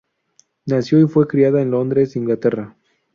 Nació y fue criada en Londres, Inglaterra.